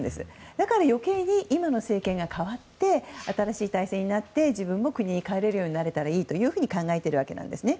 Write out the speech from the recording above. だから余計に今の政権が代わって新しい体制になって自分たちも国に帰られたらそう考えているわけなんです。